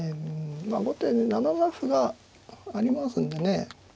まあ後手７七歩がありますんでね